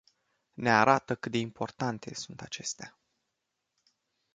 Ne arată cât de importante sunt acestea.